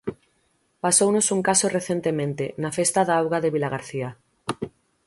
Pasounos un caso recentemente, na Festa da Auga de Vilagarcía.